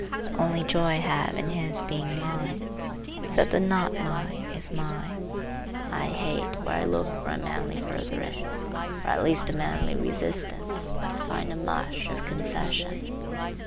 The only joy I have in his being mine, is that the not mine is mine. I hate, where I looked for a manly furtherance, or at least a manly resistance, to find a mush of concession.